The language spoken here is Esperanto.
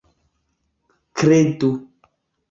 kredu